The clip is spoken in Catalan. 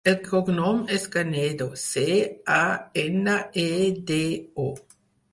El cognom és Canedo: ce, a, ena, e, de, o.